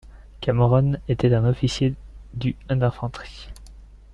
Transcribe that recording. Cameron était un officier du d'infanterie.